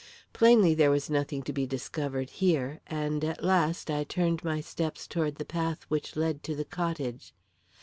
Plainly there was nothing to be discovered here, and at last I turned my steps toward the path which led to the cottage.